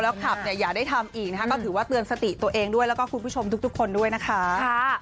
ขับเนี่ยอย่าได้ทำอีกนะคะก็ถือว่าเตือนสติตัวเองด้วยแล้วก็คุณผู้ชมทุกคนด้วยนะคะ